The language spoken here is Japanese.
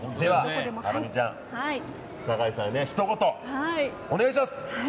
ハラミちゃん、酒井さんにひと言お願いします。